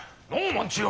万千代。